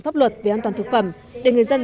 pháp luật về an toàn thực phẩm để người dân